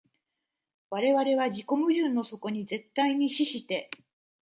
我々は自己矛盾の底に絶対に死して、